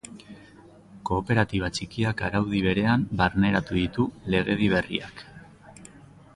Kooperatiba txikiak araudi berean barneratu ditu legedi berriak.